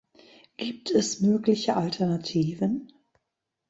Gibt es mögliche Alternativen?